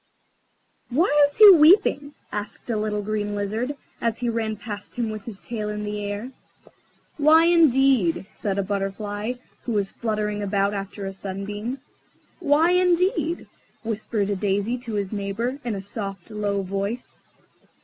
"Why is he weeping?" asked a little Green Lizard, as he ran past him with his tail in the air. "Why, indeed?" said a Butterfly, who was fluttering about after a sunbeam. "Why, indeed?" whispered a Daisy to his neighbour, in a soft, low voice.